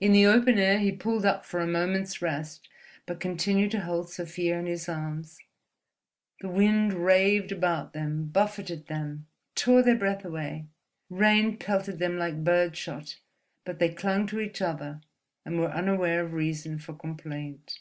In the open air he pulled up for a moment's rest, but continued to hold Sofia in his arms. The wind raved about them, buffeted them, tore their breath away, rain pelted them like birdshot; but they clung to each other and were unaware of reason for complaint.